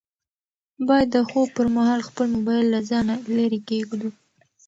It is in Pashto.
باید د خوب پر مهال خپل موبایل له ځانه لیرې کېږدو.